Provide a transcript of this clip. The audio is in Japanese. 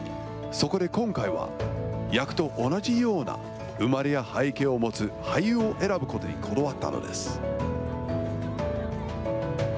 そこで今回は、役と同じような生まれや背景を持つ俳優を選ぶことにこだわったのです。